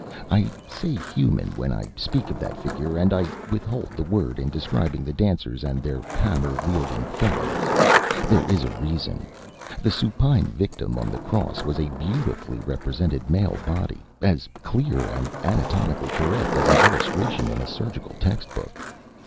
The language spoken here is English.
I say human when I speak of that figure, and I withhold the word in describing the dancers and their hammer wielding fellows. There is a reason. The supine victim on the cross was a beautifully represented male body, as clear and anatomically correct as an illustration in a surgical textbook.